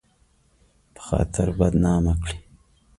په خاطر بدنامه کړي